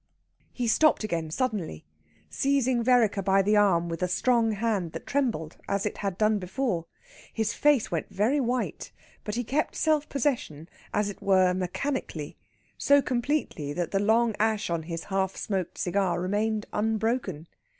He stopped again suddenly, seizing Vereker by the arm with a strong hand that trembled as it had done before. His face went very white, but he kept self possession, as it were mechanically; so completely that the long ash on his half smoked cigar remained unbroken.